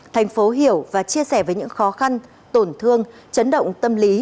thành phố hiểu và chia sẻ với những khó khăn tổn thương chấn động tâm lý